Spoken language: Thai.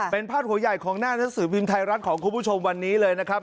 เป็นพาดหัวใหญ่ของหน้าหนังสือพิมพ์ไทยรัฐของคุณผู้ชมวันนี้เลยนะครับ